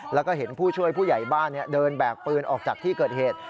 แล้วก็เห็นผู้ช่วยผู้ใหญ่บ้านเดินแบกปืนออกจากที่เกิดเหตุ